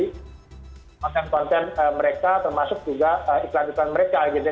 konten konten mereka termasuk juga iklan iklan mereka gitu ya